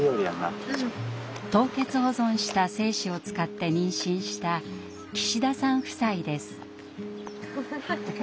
凍結保存した精子を使って妊娠した岸田さん夫妻です。